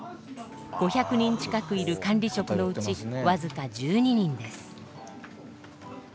５００人近くいる管理職のうち僅か１２人です。